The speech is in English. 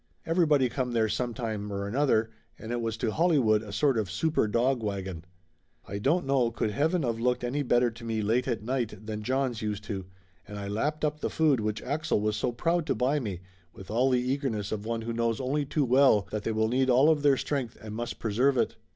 Everybody come there sometime or another, and it was to Hollywood a sort of super dog wagon. I don't know could heaven of looked any better to me late at night than John's used to, and I lapped up the food which Axel was so proud to buy me with all the eagerness of one who Laughter Limited 145 knows only too well that they will need all of their strength and must preserve it.